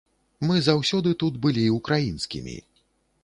Мы заўсёды тут былі украінскімі.